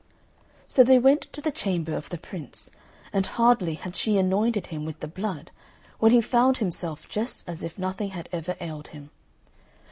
So they went to the chamber of the Prince, and hardly had she anointed him with the blood, when he found himself just as if nothing had ever ailed him.